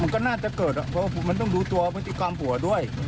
มันก็น่าจะเกิดเพราะว่ามันต้องดูตัวพฤติกรรมหัวด้วย